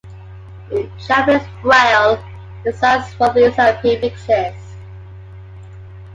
In Japanese Braille, the signs for these are prefixes.